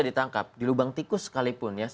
di lubang tikus sekalipun